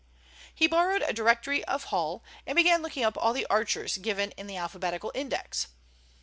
He borrowed a directory of Hull and began looking up all the Archers given in the alphabetical index.